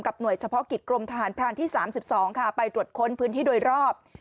หน่วยเฉพาะกิจกรมทหารพรานที่๓๒ค่ะไปตรวจค้นพื้นที่โดยรอบ